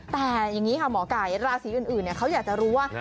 แต่อย่างนี้ค่ะหมอไก่ราศีอื่นเขาอยากจะรู้ว่า